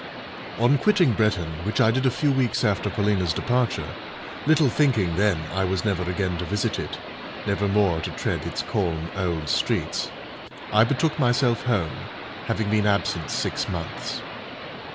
On quitting Bretton, which I did a few weeks after Paulina's departure—little thinking then I was never again to visit it; never more to tread its calm old streets—I betook myself home, having been absent six months.